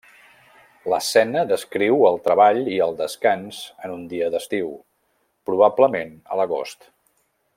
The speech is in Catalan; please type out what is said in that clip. L'escena descriu el treball i el descans en un dia d'estiu, probablement a l'agost.